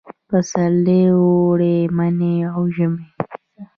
پسرلي، اوړي، مني او ژمي